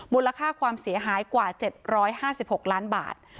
มูลค่าความเสียหายกว่า๗๕๖ล้านบาท